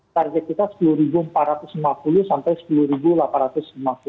target kita sepuluh ribu empat ratus lima puluh sampai sepuluh ribu delapan ratus lima puluh